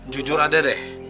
jujur ada deh